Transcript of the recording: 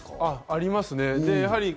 ありますね。